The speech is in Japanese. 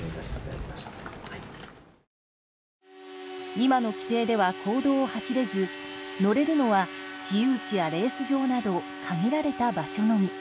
今の規制では公道を走れず乗れるのは私有地やレース場など限られた場所のみ。